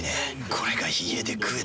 これが家で食えたなら。